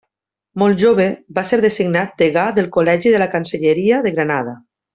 Molt jove va ser designat Degà del Col·legi de la Cancelleria de Granada.